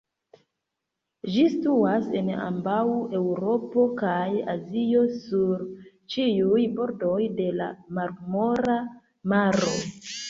Ĝi situas en ambaŭ Eŭropo kaj Azio sur ĉiuj bordoj de la Marmora Maro.